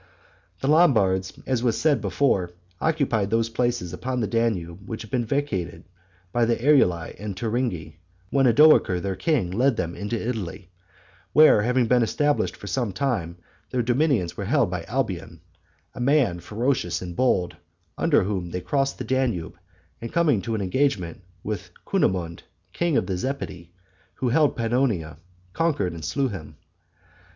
The Lombards, as was said before, occupied those places upon the Danube which had been vacated by the Eruli and Turingi, when Odoacer their king led them into Italy; where, having been established for some time, their dominions were held by Alboin, a man ferocious and bold, under whom they crossed the Danube, and coming to an engagement with Cunimund, king of the Zepidi, who held Pannonia, conquered and slew him.